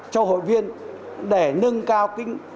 cho hội viên để nâng cao